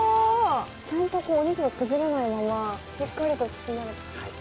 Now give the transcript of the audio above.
ちゃんとお肉が崩れないまましっかりと包まれて。